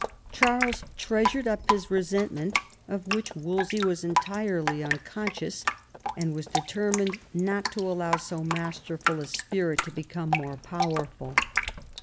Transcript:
Charles treasured up his resentment, of which Wolsey was entirely unconscious, and was determined not to allow so masterful a spirit to become more powerful.